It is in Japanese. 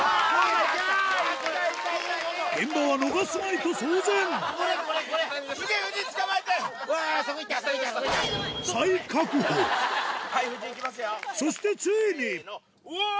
現場は逃すまいと騒然そしてついにうわぁ！